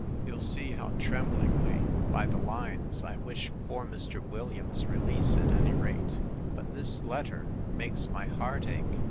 You'll see how tremblingly, by the lines. I wish poor Mr. Williams's release at any rate; but this letter makes my heart ache.